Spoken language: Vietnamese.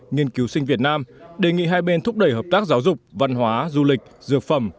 nghiên cứu sinh việt nam đề nghị hai bên thúc đẩy hợp tác giáo dục văn hóa du lịch dược phẩm